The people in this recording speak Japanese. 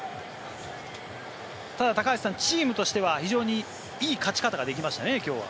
ただチームとしては非常にいい勝ち方ができましたね、きょうは。